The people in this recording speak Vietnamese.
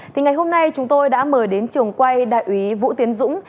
thì ngày hôm nay chúng tôi đã mời đến trường quay đại úy vũ tiến dũng